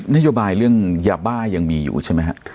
นโยบายเรื่องยาบ้ายังมีอยู่ใช่ไหมฮะ